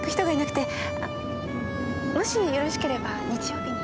もしよろしければ日曜日に。